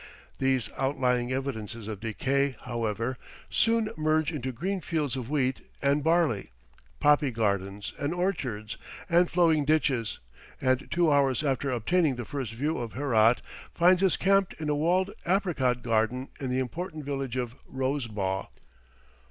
These outlying evidences of decay, however, soon merge into green fields of wheat and barley, poppy gardens, and orchards, and flowing ditches; and two hours after obtaining the first view of Herat finds us camped in a walled apricot garden in the important village of Rosebagh